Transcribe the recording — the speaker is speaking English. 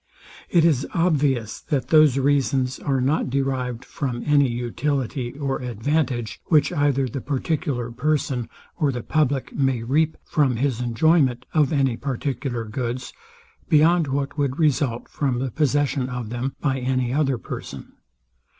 It is obvious, that those reasons are not derived from any utility or advantage, which either the particular person or the public may reap from his enjoyment of any particular goods, beyond what would result from the possession of them by any other person.